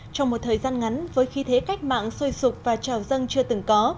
trong một thời gian ngắn với khí thế cách mạng sôi sụp và trào dâng chưa từng có